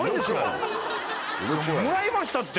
もらいましたって！